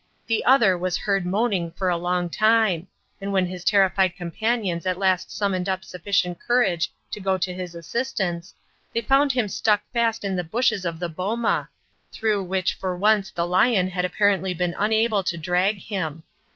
The other was heard moaning for a long time, and when his terrified companions at last summoned up sufficient courage to go to his assistance, they found him stuck fast in the bushes of the boma, through which for once the lion had apparently been unable to drag him.